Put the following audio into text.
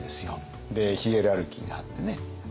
でヒエラルキーがあってね。